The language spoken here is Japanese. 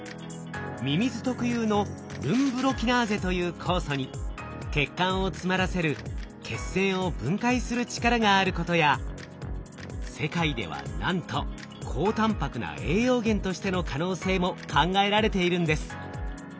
ミミズ特有のルンブロキナーゼという酵素に血管を詰まらせる血栓を分解する力があることや世界ではなんと高たんぱくな栄養源としての可能性も考えられているんです。